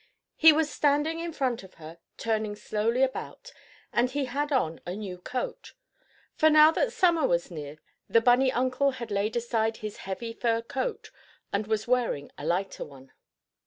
He was standing in front of her, turning slowly about, and he had on a new coat. For now that Summer was near the bunny uncle had laid aside his heavy fur coat and was wearing a lighter one.